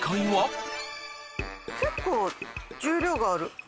結構重量がある。